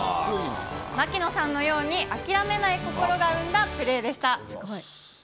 槙野さんのように諦めない心が生んだプレーでした。